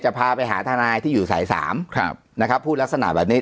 พาไปหาทนายที่อยู่สายสามครับนะครับพูดลักษณะแบบนี้